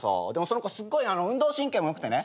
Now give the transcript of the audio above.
その子すっごい運動神経も良くてね